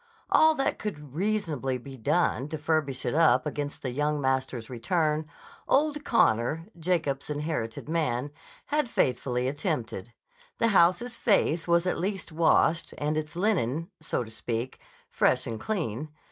All that could reasonably be done to furbish it up against the young master's return, old Connor, Jacob's inherited man, had faithfully attempted: the house's face was at least washed, and its linen, so to speak, fresh and clean.